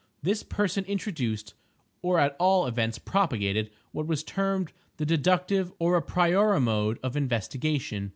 This person introduced, or at all events propagated what was termed the deductive or a priori mode of investigation.